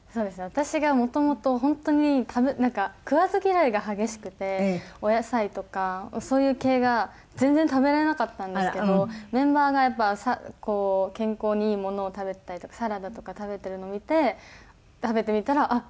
私がもともと本当になんか食わず嫌いが激しくてお野菜とかそういう系が全然食べられなかったんですけどメンバーがやっぱこう健康にいいものを食べてたりとかサラダとか食べてるのを見て食べてみたらあっ